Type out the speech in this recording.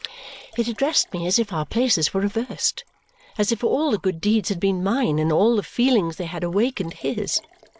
It addressed me as if our places were reversed, as if all the good deeds had been mine and all the feelings they had awakened his.